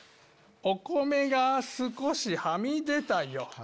お米が少しはみ出たよ